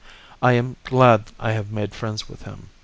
I am glad I have made friends with him.